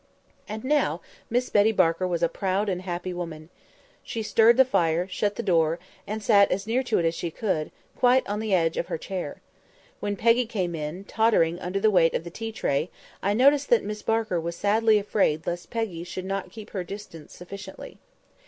And now Miss Betty Barker was a proud and happy woman! She stirred the fire, and shut the door, and sat as near to it as she could, quite on the edge of her chair. When Peggy came in, tottering under the weight of the tea tray, I noticed that Miss Barker was sadly afraid lest Peggy should not keep her distance sufficiently.